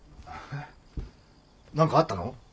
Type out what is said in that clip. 何かあったの？